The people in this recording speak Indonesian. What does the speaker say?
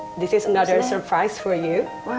ini adalah kejutan lain untuk ibu